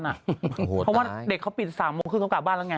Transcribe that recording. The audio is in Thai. เพราะว่าเด็กเขาปิด๓โมงครึ่งเขากลับบ้านแล้วไง